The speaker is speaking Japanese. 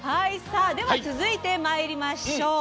では続いてまいりましょう。